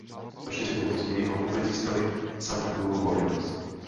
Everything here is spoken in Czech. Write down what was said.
O čtyři dny později ho opět získali Santa Cruz Warriors.